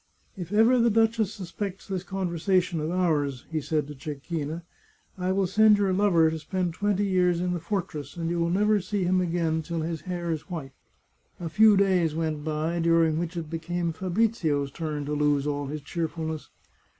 " If ever the duchess suspects this conversation of ours," he said to Cecchina, " I will send your lover to spend twenty years in the fortress, and you will never see him again till his hair is white." A few days went by, during which it became Fabrizio's turn to lose all his cheerfulness.